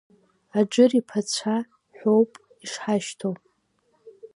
Аџыр иԥацәа ҳәоуп ишҳашьҭоу.